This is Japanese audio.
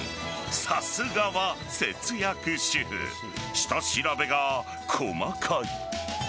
さすがは節約主婦下調べが細かい。